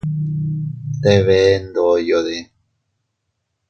¿Te bee ndoyode?